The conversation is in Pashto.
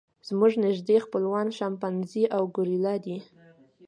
زموږ نږدې خپلوان شامپانزي او ګوریلا دي.